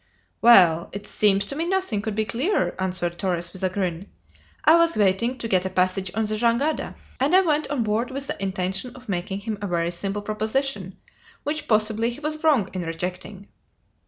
"Well! it seems to me nothing could be clearer!" answered Torres, with a grin. "I was waiting to get a passage on the jangada, and I went on board with the intention of making him a very simple proposition which possibly he was wrong in rejecting."